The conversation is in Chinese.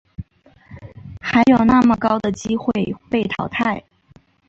还有那么高的机会被淘汰